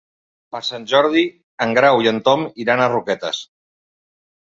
Per Sant Jordi en Grau i en Tom iran a Roquetes.